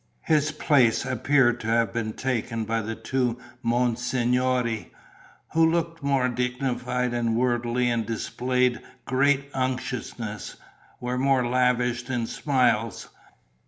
His place appeared to have been taken by the two monsignori, who looked more dignified and worldly and displayed great unctuousness, were more lavish in smiles.